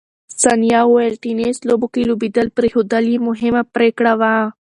ثانیه وویل، ټېنس لوبو کې لوبېدل پرېښودل یې مهمه پرېکړه وه.